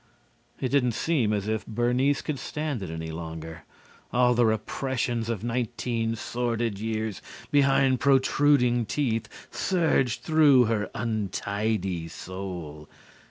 It didn't seem as if Bernice could stand it any longer. All the repressions of nineteen sordid years behind protruding teeth surged through her untidy soul.